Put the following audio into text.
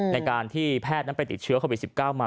ในการที่แพทย์นั้นไปติดเชื้อโควิด๑๙มา